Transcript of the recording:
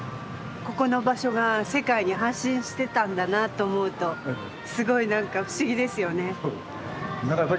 ここの場所が世界に発信してたんだなと思うとすごい何か不思議ですよね。